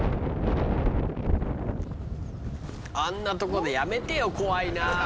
あんなとこでやめてよ怖いな。